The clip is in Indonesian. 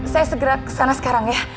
saya segera ke sana sekarang ya